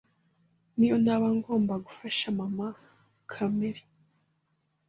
niyo naba ngomba gufasha Mama Kamere